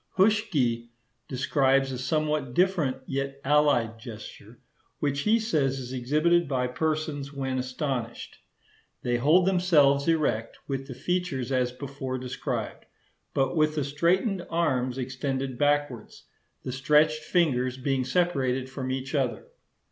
Huschke describes a somewhat different yet allied gesture, which he says is exhibited by persons when astonished. They hold themselves erect, with the features as before described, but with the straightened arms extended backwards—the stretched fingers being separated from each other.